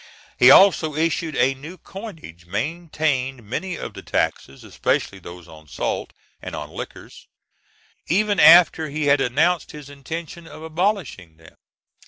He also issued a new coinage, maintained many of the taxes, especially those on salt and on liquors, even after he had announced his intention of abolishing them.